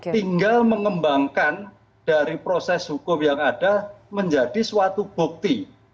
tinggal mengembangkan dari proses hukum yang ada menjadi suatu bukti